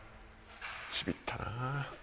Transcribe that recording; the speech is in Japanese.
ちびったな。